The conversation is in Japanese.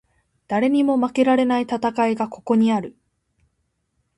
誰にも負けられない戦いがここにある